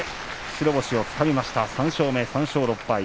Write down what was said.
白星をつかみました３勝目３勝６敗。